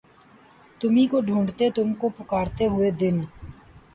تمہی کو ڈھونڈتے تم کو پکارتے ہوئے دن